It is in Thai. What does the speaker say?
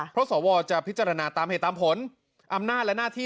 เพราะสวจะพิจารณาตามเหตุตามผลอำนาจและหน้าที่